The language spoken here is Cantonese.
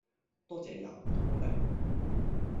多謝廿五個半吖